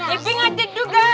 iping jatit juga